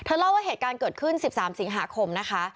เล่าว่าเหตุการณ์เกิดขึ้น๑๓สิงหาคมนะคะ